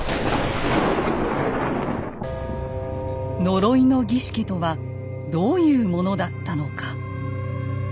呪いの儀式とはどういうものだったのか。